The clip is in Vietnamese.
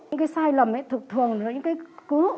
những cái sai lầm thường là những cái cứ